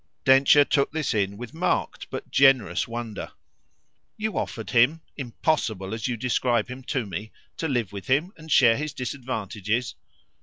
Densher took this in with marked but generous wonder. "You offered him 'impossible' as you describe him to me to live with him and share his disadvantages?"